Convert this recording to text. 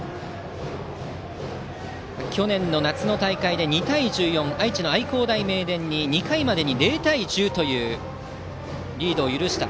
去年夏の大会で２対１４と愛知の愛工大名電に２回までに０対１０というリードを許した。